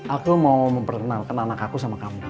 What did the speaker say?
aku mau memperkenalkan anak aku sama kamu